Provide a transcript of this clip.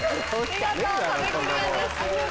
見事壁クリアです。